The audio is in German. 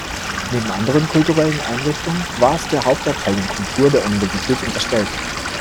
Neben anderen kulturellen Einrichtungen war es der „Hauptabteilung Kultur“ der Universität unterstellt.